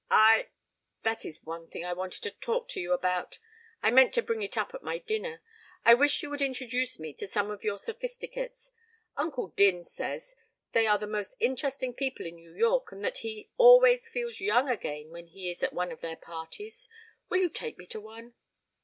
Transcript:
I that is one thing I wanted to talk to you about I meant to bring it up at my dinner I wish you would introduce me to some of your Sophisticates. Uncle Din says they are the most interesting people in New York and that he always feels young again when he is at one of their parties. Will you take me to one?"